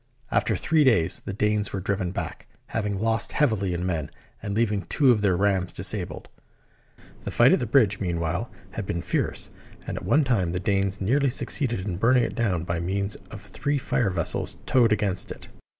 After three days the Danes were driven back, having lost heavily in men, and leaving two of their rams disabled. The fight at the bridge, meanwhile, had been fierce; and at one time the Danes nearly succeeded in burning it down by means of three fire vessels towed against it.